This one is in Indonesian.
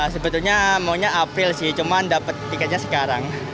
sebetulnya maunya april sih cuma dapat tiketnya sekarang